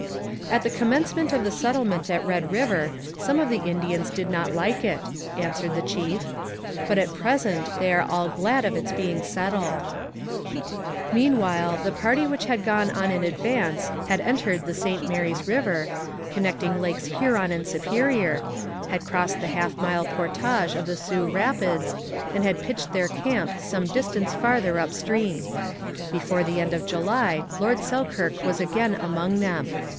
'At the commencement of the settlement at Red River, some of the Indians did not like it,' answered the chief, 'but at present they are all glad of its being settled.' Meanwhile the party which had gone on in advance had entered the St Mary's river, connecting Lakes Huron and Superior, had crossed the half mile portage of the Sault Rapids, and had pitched their camp some distance farther up stream. Before the end of July Lord Selkirk was again among them.